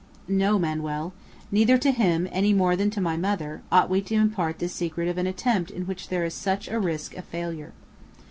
"No, Manoel. Neither to him, any more than to my mother, ought we to impart the secret of an attempt in which there is such a risk of failure."